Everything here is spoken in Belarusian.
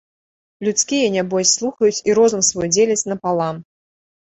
Людскія, нябось, слухаюць і розум свой дзеляць напалам.